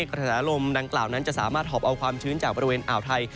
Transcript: กระแสลมดังกล่าวนั้นจะสามารถหอบเอาความชื้นจากบริเวณอ่าวไทย